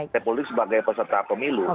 seperti peserta pemilu